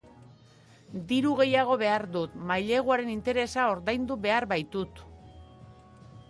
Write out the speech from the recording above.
Diru gehiago behar dut, maileguaren interesa ordaindu behar bait dut.